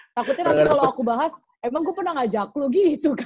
takutnya nanti kalo aku bahas emang gue pernah ngajak lu gitu kan